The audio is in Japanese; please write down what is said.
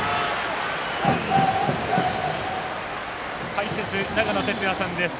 解説、長野哲也さんです。